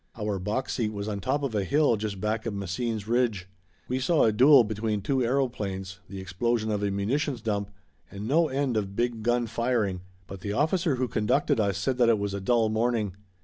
Our box seat was on top of a hill just back of Messines ridge. We saw a duel between two aeroplanes, the explosion of a munitions dump, and no end of big gun firing but the officer who conducted us said that it was a dull morning.